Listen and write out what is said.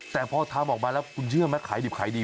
แต่พอทำออกมาแล้วคุณเชื่อไหมขายดิบขายดี